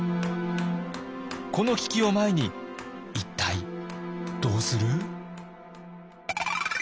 この危機を前に一体どうする？